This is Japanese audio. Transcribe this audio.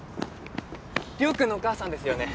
陵君のお母さんですよね？